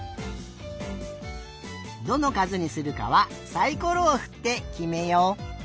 どのかずにするかはサイコロをふってきめよう。